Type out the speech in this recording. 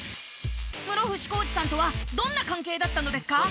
室伏広治さんとはどんな関係だったのですか？